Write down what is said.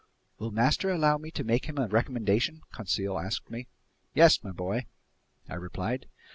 "Will master allow me to make him a recommendation?" Conseil asked me. "Yes, my boy," I replied.